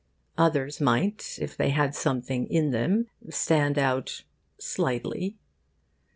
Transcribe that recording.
Others might, if they had something in them, stand out slightly.